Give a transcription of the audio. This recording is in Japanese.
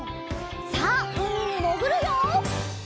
さあうみにもぐるよ！